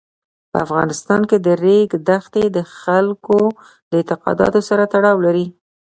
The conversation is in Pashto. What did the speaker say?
په افغانستان کې د ریګ دښتې د خلکو د اعتقاداتو سره تړاو لري.